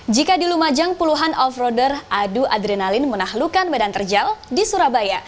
jika dilumajang puluhan off roader adu adrenalin menahlukan medan terjal di surabaya